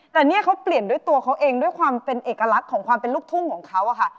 แต่เนี่ยเขาเปลี่ยนด้วยตัวเขาเองด้วยความเป็นเอกลักษณ์ของความเป็นลูกทุ่งของเขาอะค่ะ